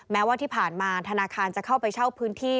แม้ว่าที่ผ่านมาธนาคารจะเข้าไปเช่าพื้นที่